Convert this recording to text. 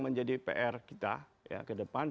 menjadi pr kita ya ke depan